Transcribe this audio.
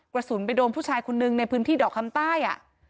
กระสุนไปโดนผู้ชายคนนึงในพื้นที่ดอกคำใต้